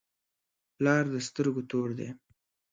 پلار د سترګو تور دی.